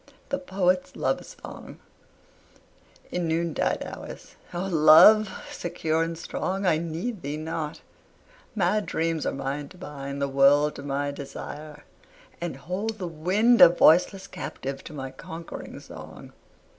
THE POET'S LOVE SONG In noon tide hours, O Love, secure and strong, I need thee not; mad dreams are mine to bind The world to my desire, and hold the wind A voiceless captive to my conquering song.